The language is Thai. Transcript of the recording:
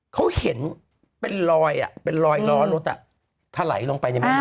เขาเห็นเป็นรอยร้อนรถถลายลงไปในแม่ง